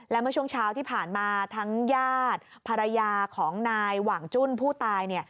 และเมื่อช่วงเช้าที่ผ่านมาทั้งญาติภรรยาของนายหว่างจุ้นผู้ตาย